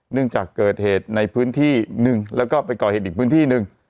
จากเกิดเหตุในพื้นที่หนึ่งแล้วก็ไปก่อเหตุอีกพื้นที่หนึ่ง